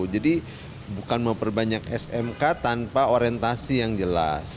jadi bukan memperbanyak smk tanpa orientasi yang jelas